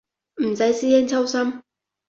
唔使師兄操心